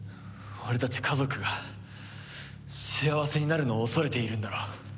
俺たち家族が幸せになるのを恐れているんだろ？